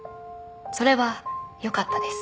それはよかったです。